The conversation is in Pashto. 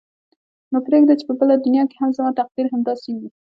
نو پرېږده چې په بله دنیا کې هم زما تقدیر همداسې وي.